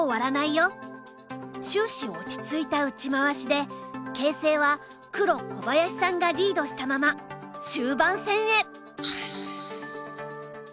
終始落ち着いた打ち回しで形勢は黒小林さんがリードしたまま終盤戦へ。